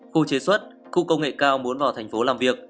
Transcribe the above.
khu chế xuất khu công nghệ cao muốn vào thành phố làm việc